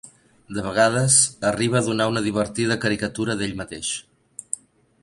De vegades, arriba a donar una divertida caricatura d'ell mateix.